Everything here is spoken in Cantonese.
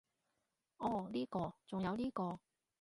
噢呢個，仲有呢個